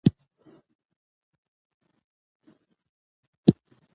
قطب الدین بختیار د احمد زوی دﺉ.